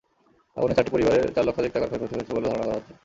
আগুনে চারটি পরিবারের চার লক্ষাধিক টাকার ক্ষয়ক্ষতি হয়েছে বলে ধারণা করা হচ্ছে।